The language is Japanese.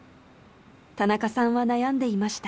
田中さんは悩んでいました。